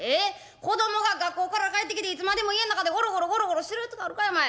子供が学校から帰ってきていつまでも家ん中でゴロゴロゴロゴロしてるやつがあるかいお前。